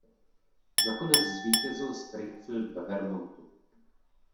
Nakonec zvítězil Springfield ve Vermontu.